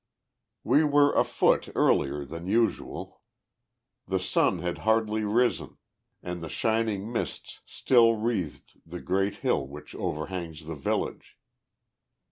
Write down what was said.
We were afoot earlier than usual. The sun had hardly risen, and the shining mists still wreathed the great hill which overhangs the village.